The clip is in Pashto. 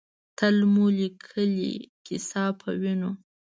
تل مو لیکلې ، کیسه پۀ وینو